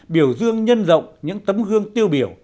biểu dương nhân rộng những tấm gương tiêu biểu